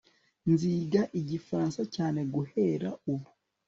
Nziga Igifaransa cyane guhera ubu